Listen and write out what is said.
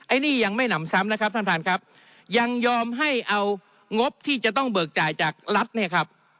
อันนี้ยังไม่หนำซ้ำนะครับท่านท่านครับยังยอมให้เอางบที่จะต้องเบิกจ่ายจากรัฐเนี่ยครับ